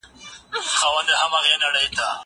زه به اوږده موده مينه څرګنده کړې وم؟!